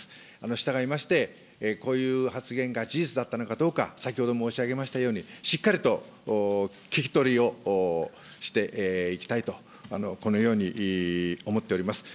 したがいまして、こういう発言が事実だったのかどうか、先ほど申し上げましたように、しっかりと聞き取りをしていきたいとこのように思っております。